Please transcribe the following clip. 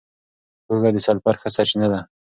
هوږه د سلفر ښه سرچینه ده.